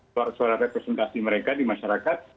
suara suara representasi mereka di masyarakat